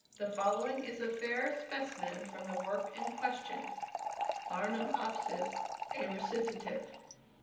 The following is a fair specimen from the work in question: BARNUMOPSIS. A RECITATIVE.